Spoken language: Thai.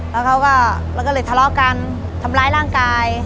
แล้วเขาก็เลยทะเลาะกันทำร้ายร่างกาย